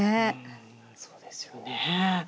そうですよね。